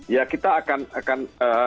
ya kita akan